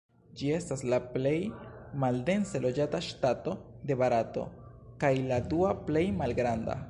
Ĝi estas la plej maldense loĝata ŝtato de Barato, kaj la dua plej malgranda.